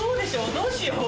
どうしよう？